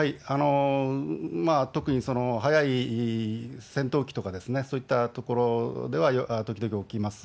特に速い戦闘機とか、そういったところでは時々起きます。